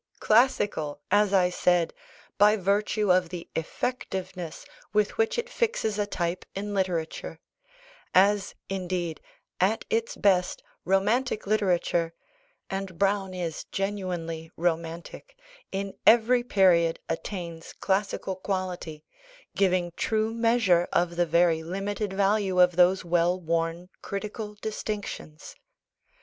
classical, as I said, by virtue of the effectiveness with which it fixes a type in literature; as, indeed, at its best, romantic literature (and Browne is genuinely romantic) in every period attains classical quality, giving true measure of the very limited value of those well worn critical distinctions.